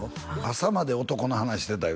「朝まで男の話してた」